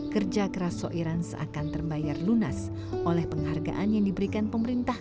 kerja keras soiran seakan terbayar lunas oleh penghargaan yang diberikan pemerintah